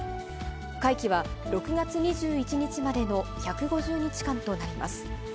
会期は６月２１日までの１５０日間となります。